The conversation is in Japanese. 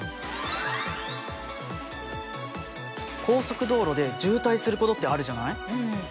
高速道路で渋滞することってあるじゃない？